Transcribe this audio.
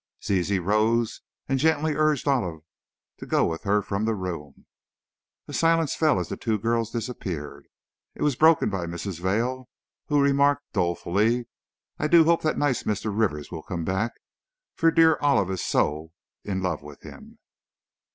Zizi rose and gently urged Olive to go with her from the room. A silence fell as the two girls disappeared. It was broken by Mrs. Vail, who remarked, dolefully, "I do hope that nice Mr. Rivers will come back, for dear Olive is so in love with him."